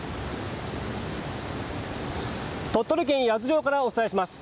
鳥取県八頭町からお伝えします。